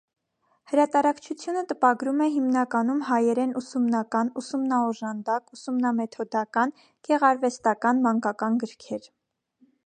Հրատարակչությունը տպագրում է հիմնականում հայերեն ուսումնական, ուսումնաօժանդակ, ուսումնամեթոդական, գեղարվեստական, մանկական գրքեր։